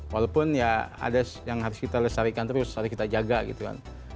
walaupun ya ada yang harus kita lestarikan terus harus kita jaga gitu kan